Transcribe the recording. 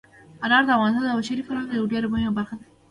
انار د افغانستان د بشري فرهنګ یوه ډېره مهمه برخه ده.